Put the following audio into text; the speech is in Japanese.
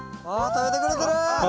食べてくれてるああ